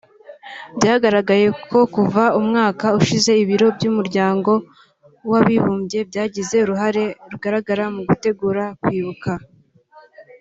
Byagaragaye ko kuva umwaka ushize ibiro by’Umuryango w’Abibumbye byagize uruhare rugaragra mu gutegura kwibuka